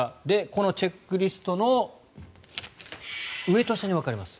このチェックリストの上と下に分かれます。